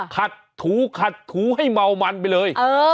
ขัดถูขัดถูให้เมามันไปเลย